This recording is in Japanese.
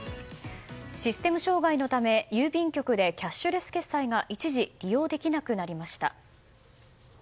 システム障害のため郵便局でキャッシュレス決済が一時利用できなくなりました。